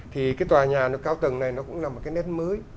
thì cái tòa nhà nó cao tầng này nó cũng là một cái nét mới